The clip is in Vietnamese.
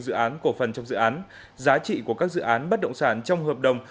dự án cổ phần trong dự án giá trị của các dự án bất động sản trong hợp đồng